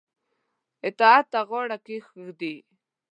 اطاعت ته غاړه کښيږدي.